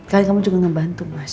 karena kamu juga ngebantu mas